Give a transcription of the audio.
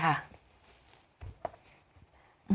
เพราะว่ามันจะต้องเจาะจากใตล์ค่ะ